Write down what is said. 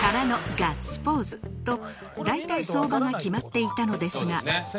と大体相場が決まっていたのですが